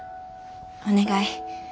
お願い。